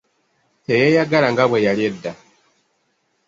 Teyeyagala nga bwe yali edda.